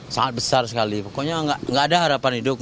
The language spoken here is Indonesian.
sangat besar sekali pokoknya nggak ada harapan hidup